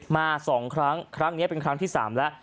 มา๒ครั้งครั้งนี้เป็นครั้งที่๓แล้ว